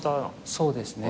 そうですか。